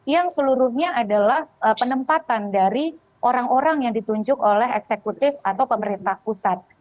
yang seluruhnya adalah penempatan dari orang orang yang ditunjuk oleh eksekutif atau pemerintah pusat